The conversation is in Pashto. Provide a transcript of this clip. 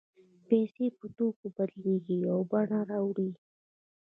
پیسې په توکو بدلېږي او بڼه یې اوړي